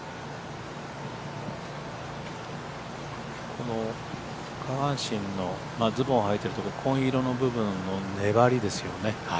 この下半身のズボンはいてるところ紺色の部分の粘りですよね。